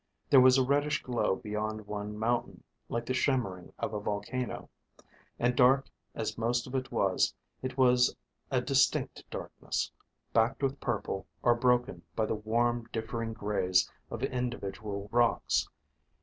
There was a reddish glow beyond one mountain, like the shimmering of a volcano. And dark as most of it was, it was a distinct darkness, backed with purple, or broken by the warm, differing grays of individual rocks.